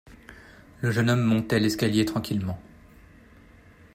Le jeune homme montait l’escalier tranquillement.